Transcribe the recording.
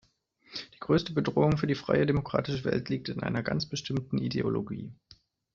Die größte Bedrohung für die freie demokratische Welt liegt in einer ganz bestimmten Ideologie.